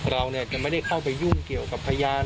เราจะไม่ได้เข้าไปยุ่งเกี่ยวกับพยาน